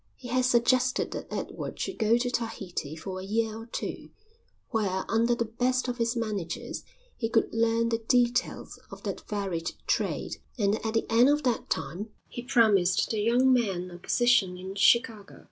He had suggested that Edward should go to Tahiti for a year or two, where under the best of his managers he could learn the details of that varied trade, and at the end of that time he promised the young man a position in Chicago.